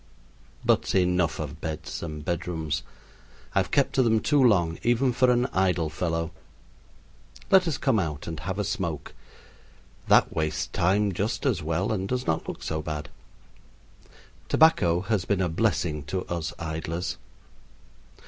But enough of beds and bedrooms. I have kept to them too long, even for an idle fellow. Let us come out and have a smoke. That wastes time just as well and does not look so bad. Tobacco has been a blessing to us idlers.